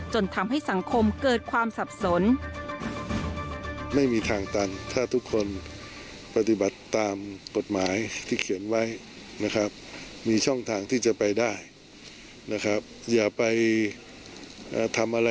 จนทำให้สังคมเกิดความสับสน